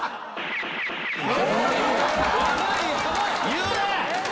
言うな！